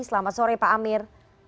selamat sore pak amir